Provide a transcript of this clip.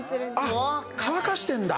あ、乾かしてんだ。